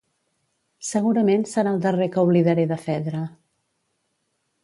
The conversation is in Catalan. Segurament serà el darrer que oblidaré de Fedra.